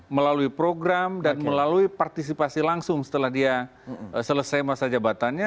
melalui program dan melalui partisipasi langsung setelah dia selesai masa jabatannya